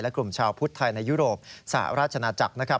กลุ่มชาวพุทธไทยในยุโรปสหราชนาจักรนะครับ